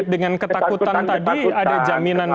dengan ketakutan tadi ada jaminan